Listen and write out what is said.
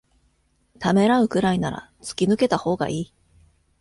ためらうくらいなら突き抜けたほうがいい